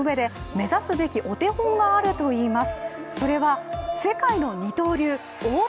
目指すべきお手本があるといいます。